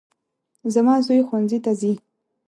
زما زوی ښوونځي ته ځي